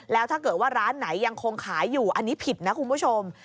แล้วถ้าเกิดว่าร้านไหนยังคงขายอยู่อันนี้ผิดนะคุณผู้ชม